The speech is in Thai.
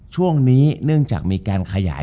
จบการโรงแรมจบการโรงแรม